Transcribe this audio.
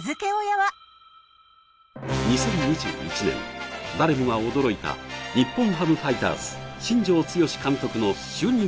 ２０２１年誰もが驚いた日本ハムファイターズ新庄剛志監督の就任会見